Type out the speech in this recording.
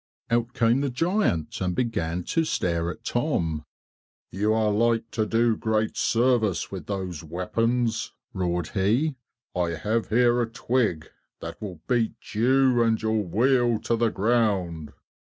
Out came the giant and began to stare at Tom. "You are like to do great service with those weapons," roared he. "I have here a twig that will beat you and your wheel to the ground."